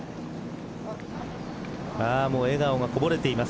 笑顔がこぼれています。